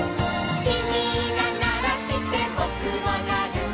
「きみがならしてぼくもなる」